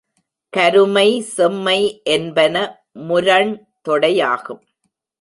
கருமை செம்மை என்பன முரண் தொடையாகும்.